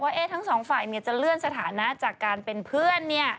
ทั้งสองฝ่ายจะเลื่อนสถานะจากการเป็นเพื่อน